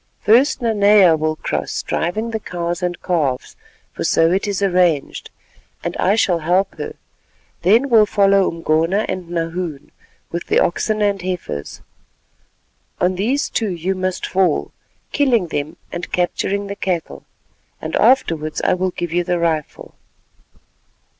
First Nanea will cross driving the cows and calves, for so it is arranged, and I shall help her; then will follow Umgona and Nahoon with the oxen and heifers. On these two you must fall, killing them and capturing the cattle, and afterwards I will give you the rifle."